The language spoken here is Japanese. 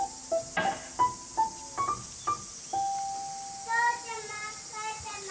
お父ちゃまお母ちゃま！